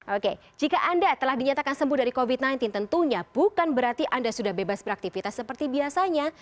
oke jika anda telah dinyatakan sembuh dari covid sembilan belas tentunya bukan berarti anda sudah bebas beraktivitas seperti biasanya